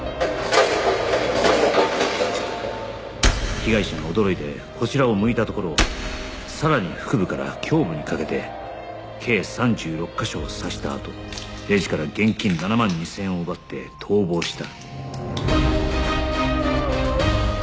被害者が驚いてこちらを向いたところをさらに腹部から胸部にかけて計３６カ所を刺したあとレジから現金７万２０００円を奪って逃亡した